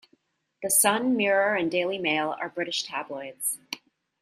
The Sun, Mirror and Daily Mail are British tabloids.